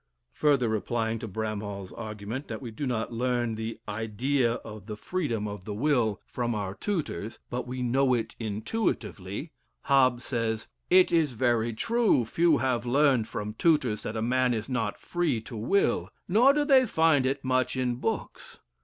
Further replying to Bramhall's argument, that we do not learn the "idea of the freedom of the will" from our tutors, but we know it intuitively, Hobbes says, "It is true very few have learned from tutors that a man is not free to will; nor do they find it much in books.